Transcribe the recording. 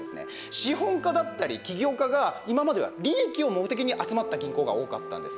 資本家だったり企業家が今までは、利益を目的に集まった銀行が多かったんです。